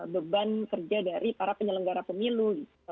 beban kerja dari para penyelenggara pemilu